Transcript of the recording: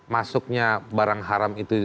masuknya barang haram itu